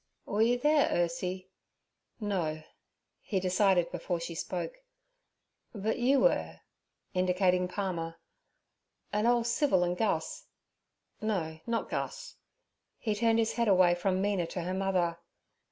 'Were you there, Ursie? No' he decided before she spoke. 'But you were'—indicating Palmer—'and old Civil and Gus. No, not Gus.' He turned his head away from Mina to her mother.